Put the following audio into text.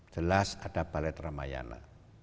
jelas ada balet ramayana